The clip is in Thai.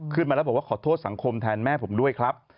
ขึ้นมาแล้วบอกว่าขอโทษสังคมแทนแม่ผมด้วยครับ